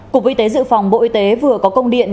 cục y tế dự phòng bộ y tế vừa có công điện